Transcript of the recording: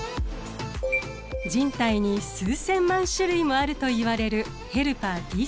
人体に数千万種類もあるといわれるヘルパーＴ細胞。